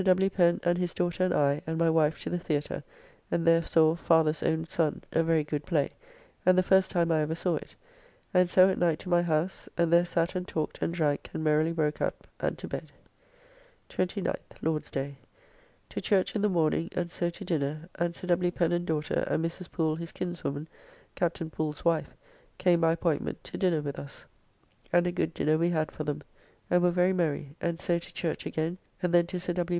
Pen and his daughter and I and my wife to the Theatre, and there saw "Father's own Son," a very good play, and the first time I ever saw it, and so at night to my house, and there sat and talked and drank and merrily broke up, and to bed. 29th (Lord's day). To church in the morning, and so to dinner, and Sir W. Pen and daughter, and Mrs. Poole, his kinswoman, Captain Poole's wife, came by appointment to dinner with us, and a good dinner we had for them, and were very merry, and so to church again, and then to Sir W.